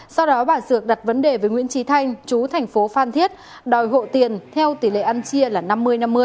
sau đó bà sược đặt vấn đề với nguyễn trí thanh chú thành phố phan thiết đòi hộ tiền theo tỷ lệ ăn chia là năm mươi năm mươi